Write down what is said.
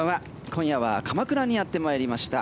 今夜は鎌倉にやって参りました。